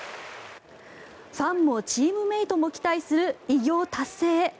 ファンもチームメートも期待する偉業達成へ。